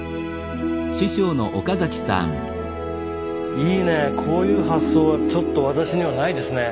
いいねこういう発想はちょっと私にはないですね。